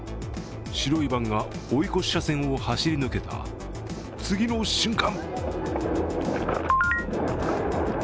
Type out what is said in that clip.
白いバンが追い越し車線を走り抜けた次の瞬間